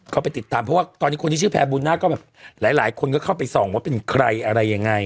ไปติดตามเพราะว่าตอนนี้คนที่ชื่อแพรบุญน่าก็แบบหลายคนก็เข้าไปส่องว่าเป็นใครอะไรยังไง